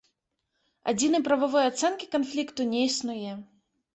Адзінай прававой ацэнкі канфлікту не існуе.